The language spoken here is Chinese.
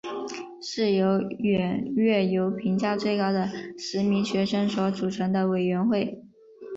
是由远月内评价最高的十名学生所组成的委员会。